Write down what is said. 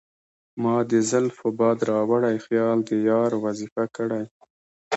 مــــــا د زلفو باد راوړی خیــــــال د یار وظیفه کـــــړی